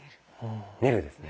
練るですね。